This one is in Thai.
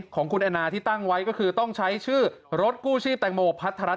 ของคุณแอนนาที่ตั้งไว้ก็คือต้องใช้ชื่อรถกู้ชีพแตงโมพัทร